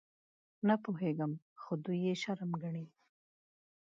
_نه پوهېږم، خو دوی يې شرم ګڼي.